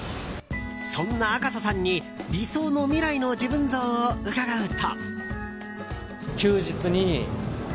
そんな赤楚さんに理想の未来の自分像を伺うと。